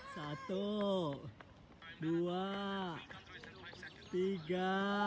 satu dua tiga